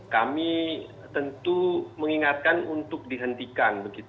kami tentu mengingatkan untuk dihentikan